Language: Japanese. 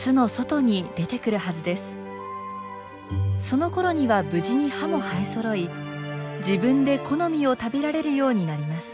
そのころには無事に歯も生えそろい自分で木の実を食べられるようになります。